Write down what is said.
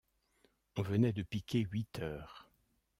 On venait de piquer huit heures.